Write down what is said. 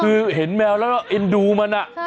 คือเห็นแมวแล้วก็เอ็นดูมัน